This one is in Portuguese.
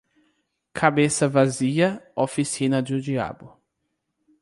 Cabeça vazia, oficina do diabo.